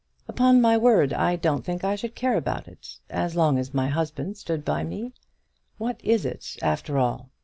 "Upon my word I don't think I should care about it as long as my husband stood by me. What is it after all?